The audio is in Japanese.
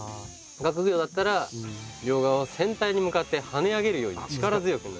学業だったら「両側を先端に向かって跳ね上げるように力強くなでる」。